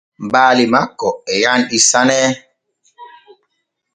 Baali makko e yanɗi sane.